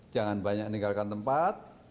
jangan banyak meninggalkan tempat